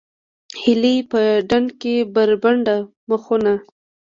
هیلۍ په ډنډ کې بربنډ مخونه